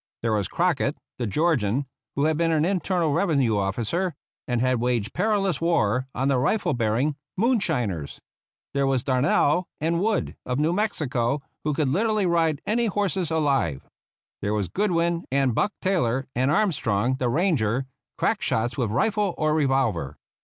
There was Croc kett, the Georgian, who had been an Internal Revenue officer, and had waged perilous war on the rifle bearing "moonshiners." There were Darnell and Wood of New Mexico, who could literally ride any horses alive. There were Good win, and Buck Taylor, and Armstrong the ranger, crack shots with rifle or revolver.